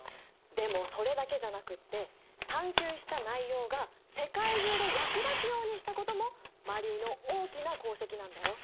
でもそれだけじゃなくって探究した内容が世界中で役立つようにしたこともマリーの大きな功績なんだよ。